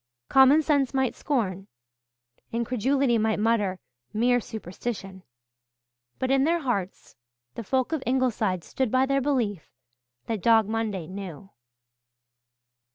Common sense might scorn incredulity might mutter "Mere superstition" but in their hearts the folk of Ingleside stood by their belief that Dog Monday knew.